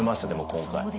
今回。